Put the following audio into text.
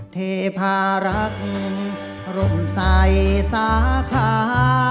เทพารักษ์ร่มใสสาขา